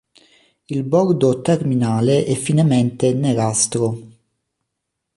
Il bordo terminale è finemente nerastro.